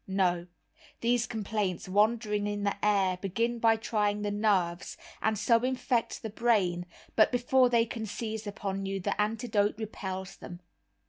No, these complaints, wandering in the air, begin by trying the nerves, and so infect the brain, but before they can seize upon you, the antidote repels them.